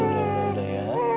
udah udah udah ya